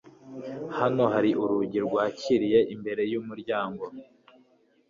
Hano hari urugi rwakiriwe imbere yumuryango.